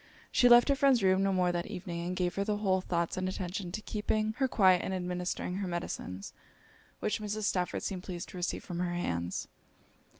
She left her friend's room no more that evening; and gave her whole thoughts and attention to keeping her quiet and administering her medicines, which Mrs. Stafford seemed pleased to receive from her hands.